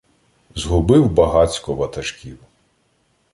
Згубив багацько ватажків.